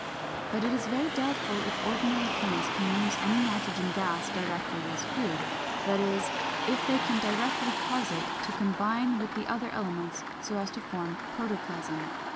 But it is very doubtful if ordinary plants can use any nitrogen gas directly as food; that is, if they can directly cause it to combine with the other elements so as to form protoplasm.